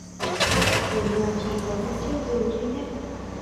Bởi nhà chỉ có một chiếc giường duy nhất